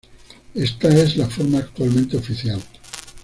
Esta es la forma actualmente oficial.